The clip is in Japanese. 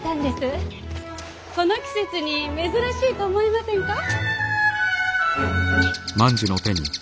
この季節に珍しいと思いませんか。